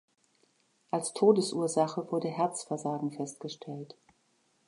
Als Todesursache wurde Herzversagen festgestellt.